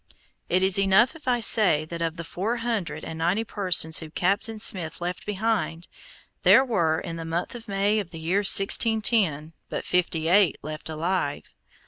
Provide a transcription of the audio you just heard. It is enough if I say that of the four hundred and ninety persons whom Captain Smith left behind him, there were, in the month of May of the year 1610, but fifty eight left alive.